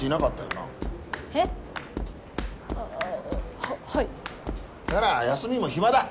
なら休みも暇だ！